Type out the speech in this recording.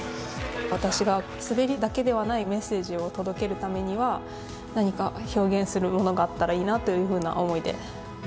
私が滑りだけではないメッセージを届けるためには、何か表現するものがあったらいいなというふうな思いで。